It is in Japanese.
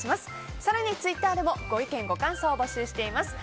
更にツイッターでもご意見、ご感想を募集しています。